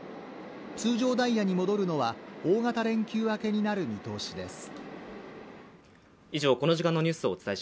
通常ダイヤに戻るのは大型連休開けになる見通しです。